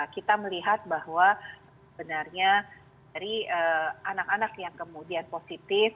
kita melihat bahwa sebenarnya dari anak anak yang kemudian positif